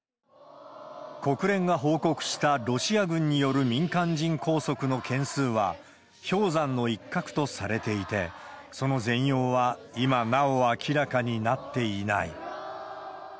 国連が報告したロシア軍による民間人拘束の件数は、氷山の一角とされていて、その全容は今なお明らかになっていない。